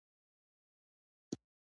احمد ډېر په نادارۍ کې ژوند وکړ.